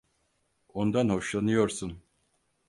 Ondan hoşlanıyorsun.